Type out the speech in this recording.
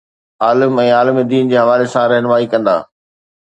عالم ۽ عالم دين جي حوالي سان رهنمائي ڪندا.